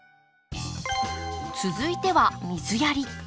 続いては水やり。